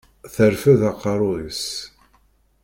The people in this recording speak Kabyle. Terfed aqerru-s.